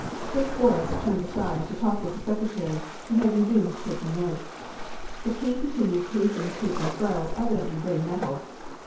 Prince Boris turned aside to talk with the Secretary, who had resumed taking notes. The King continued pacing to and fro, evidently very nettled.